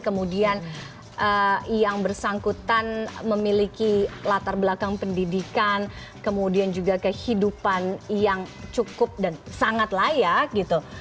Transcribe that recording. kemudian yang bersangkutan memiliki latar belakang pendidikan kemudian juga kehidupan yang cukup dan sangat layak gitu